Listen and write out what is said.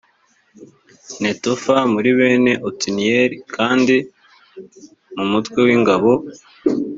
netofa muri bene otiniyeli kandi mu mutwe w ingabo